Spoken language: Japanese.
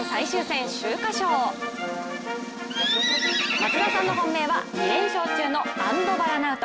松田さんの本命は２連勝中のアンドヴァラナウト。